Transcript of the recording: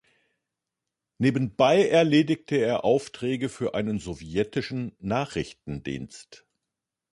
Nebenbei erledigte er Aufträge für einen sowjetischen Nachrichtendienst.